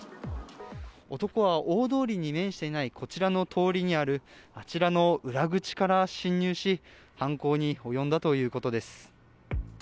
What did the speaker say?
男は大通りに面していない、こちらの通りにある、あちらの裏口から侵入し、犯行に及んだということです。